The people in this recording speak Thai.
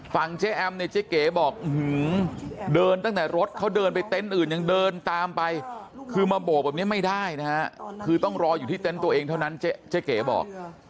เจ๊แอมเนี่ยเจ๊เก๋บอกเดินตั้งแต่รถเขาเดินไปเต็นต์อื่นยังเดินตามไปคือมาโบกแบบนี้ไม่ได้นะฮะคือต้องรออยู่ที่เต็นต์ตัวเองเท่านั้นเจ๊เก๋บอก